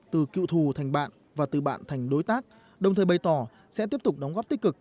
từ cựu thù thành bạn và từ bạn thành đối tác đồng thời bày tỏ sẽ tiếp tục đóng góp tích cực